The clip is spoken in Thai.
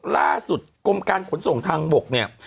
ล่าสุดกรมการขนส่งทางบกเนี่ย